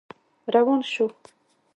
روان شو.